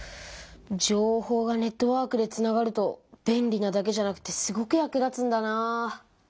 情報がネットワークでつながると便利なだけじゃなくてすごく役立つんだなあ。